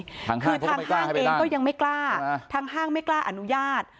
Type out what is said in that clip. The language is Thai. คือทางห้างเองก็ยังไม่กล้าทางห้างไม่กล้าอนุญาต